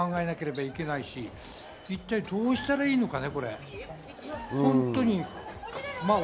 一体どうしたらいいのかね？